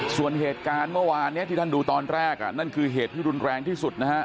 ส่วนเหตุการณ์เมื่อวานนี้ที่ท่านดูตอนแรกนั่นคือเหตุที่รุนแรงที่สุดนะฮะ